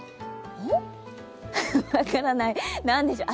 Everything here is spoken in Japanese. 分からない、何でしょう。